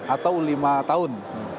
atau lima tahun